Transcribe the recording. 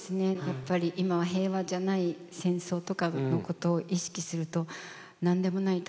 やっぱり今は平和じゃない戦争とかのことを意識すると何でもない